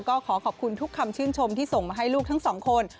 ก็ขอขอบคุณทุกคำชื่นชมที่ส่งมาให้ลูกทั้งสองคน